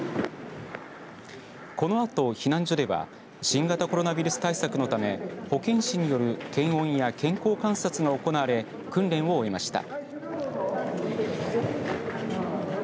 このあと避難所では新型コロナウイルス対策のため保健師による検温や健康観察が行われ訓練を終えました。